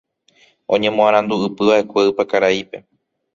Oñemoarandu'ypy'akue Ypakaraípe.